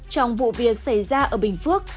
trong vụ việc xảy ra ở bình phước